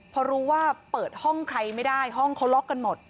พอรู้ว่าเปิดห้องใครไม่ได้ห้องเขาล็อกกันหมด